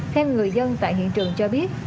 theo người dân tại hiện trường cho biết